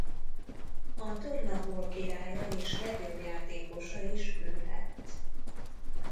A torna gólkirálya és legjobb játékosa is ő lett.